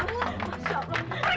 pergi kalian semua